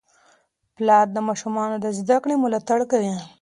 پلار د ماشومانو د زده کړې ملاتړ کوي.